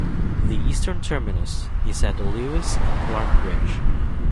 The eastern terminus is at the Lewis and Clark Bridge.